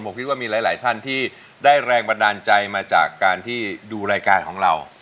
ผมคิดว่ามีหลายท่านที่ได้แรงบันดาลใจมาจากการที่ดูรายการของเรา